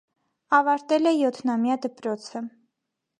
Ավարտել է յոթնամյա դպրոցը։